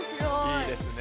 いいですね。